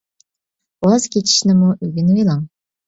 ۋاز كېچىشنىمۇ ئۆگىنىۋېلىڭ.